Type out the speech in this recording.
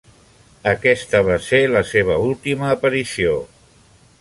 Aquesta va ser la seva última aparició.